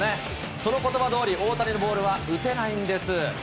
そのことばどおり、大谷のボールは、打てないんです。